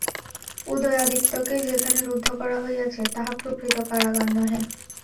উদয়াদিত্যকে যেখানে রুদ্ধ করা হইয়াছে, তাহা প্রকৃত কারাগার নহে।